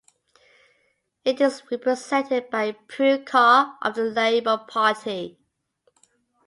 It is represented by Prue Car of the Labor Party.